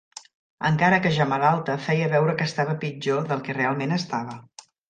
Encara que ja malalta, feia veure que estava pitjor del que realment estava.